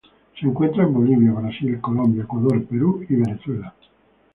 Se encuentra en Bolivia, Brasil, Colombia, Ecuador, Perú y Venezuela.